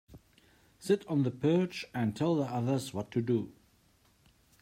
Sit on the perch and tell the others what to do.